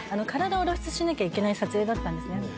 体を露出しなきゃいけない撮影だったんですね。